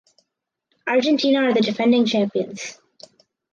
Argentina are the defending champions.